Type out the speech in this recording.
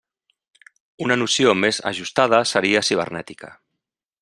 Una noció més ajustada seria cibernètica.